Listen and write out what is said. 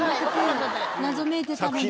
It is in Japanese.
謎めいてたので。